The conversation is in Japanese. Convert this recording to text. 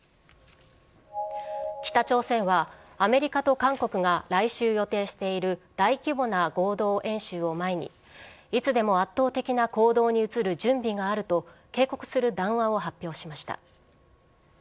北朝鮮は、アメリカと韓国が来週予定している大規模な合同演習を前に、いつでも圧倒的な行動に移る準備があると、警告する談話を発表しました。